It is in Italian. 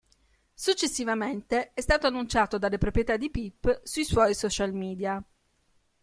Successivamente è stato annunciato dalle proprietà di Peep sui suoi social media.